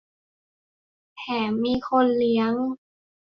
แถมมีคนเลี้ยง